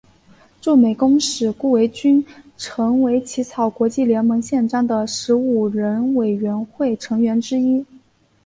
驻美公使顾维钧成为起草国际联盟宪章的十五人委员会成员之一。